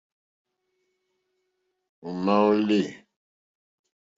Ò má ó lê.